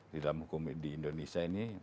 di dalam hukum di indonesia ini